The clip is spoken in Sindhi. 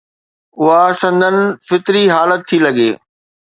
اها سندن فطري حالت ٿي لڳي.